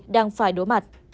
đang phải đối mặt